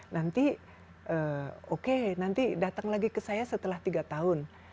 nanti oke nanti datang lagi ke saya setelah tiga tahun